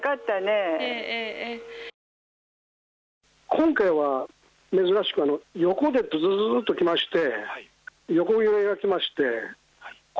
今回は、珍しく横でズズッときまして横揺れが来まして。